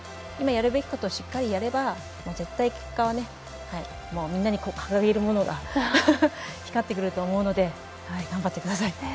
今やるべきことをしっかりやれば絶対、結果はみんなに掲げるものが光ってくると思うので頑張ってください。